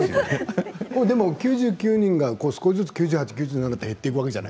９９人が少しずつ９８、９７と減っていくわけでは